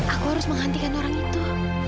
aku harus menghentikan orang itu